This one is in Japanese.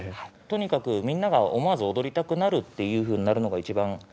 とにかくみんなが思わず踊りたくなるっていうふうになるのが一番。